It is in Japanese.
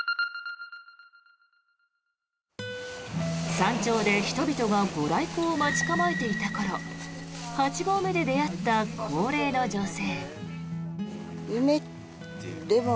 山頂で人々がご来光を待ち構えていた頃８合目で出会った高齢の女性。